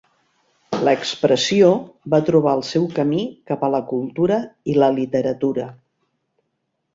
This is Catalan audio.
La expressió va trobar el seu camí cap a la cultura i la literatura.